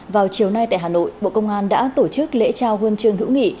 vào chiều nay tại hà nội bộ công an đã tổ chức lễ trao huân trường hữu nghị